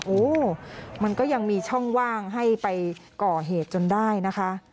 โอ้มันก็ยังมีช่องว่างให้ไปก่อเหตุจนได้นะคะ